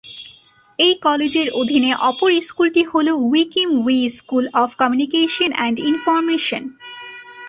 এই কলেজের অধীনে অপর স্কুলটি হল Wee Kim Wee school of communication and information.